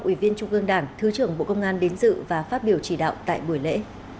ủy viên trung ương đảng thứ trưởng bộ công an đến dự và phát biểu chỉ đạo tại buổi lễ